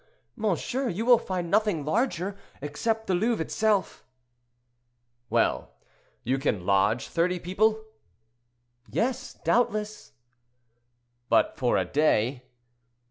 monsieur, you will find nothing larger, except the Louvre itself." "Well; you can lodge thirty people?" "Yes, doubtless." "But for a day?"